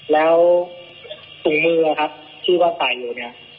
แล้วปลุ่มมือชื่อว่าใส่อยู่เนี่ย